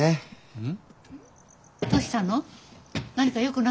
うん。